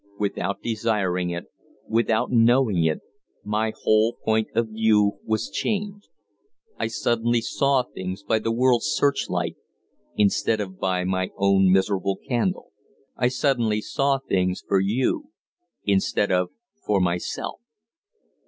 Without desiring it, without knowing it, my whole point of view was changed. I suddenly saw things by the world's search light instead of by my own miserable candle. I suddenly saw things for you instead of for myself."